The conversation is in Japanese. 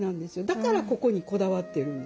だからここにこだわっているんです。